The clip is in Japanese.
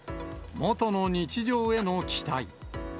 元の日常への期待。